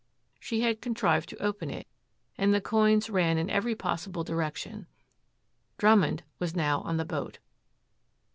She had contrived to open it, and the coins ran in every possible direction. Drummond was now on the boat.